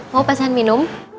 mau pesan minum